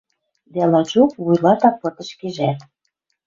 Дӓ лачок, вуйлата пыт ӹшкежӓт.